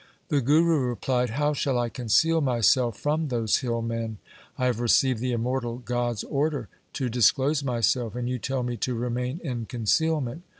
The Guru replied, ' How shall I conceal myself from those hillmen ? I have received the immortal God's order to disclose myself, and you tell me to remain in concealment.